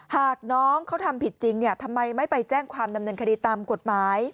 หากน้องเขาทำผิดจริงทำไมไม่ไปแจ้งความดำเนินคดีตามกฎหมาย